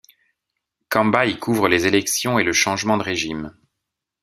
Camba y couvre les élections et le changement de régime.